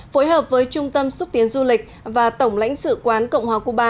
phối hợp với trung tâm xúc tiến du lịch và tổng lãnh sự quán cộng hòa cuba